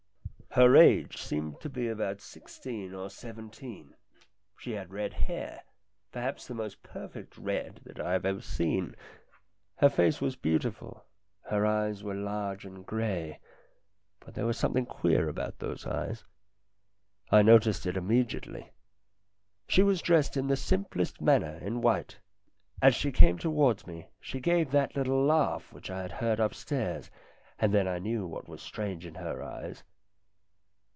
Her age seemed to be about sixteen or seventeen. She had red hair, perhaps the most perfect red that I have ever seen. Her face was beautiful. Her eyes were large and grey, but there was something queer about those eyes. I noticed it immediately. She was dressed in the simplest manner in white. As she came towards me she gave that little laugh which I had heard upstairs. And then I knew what was strange in her eyes.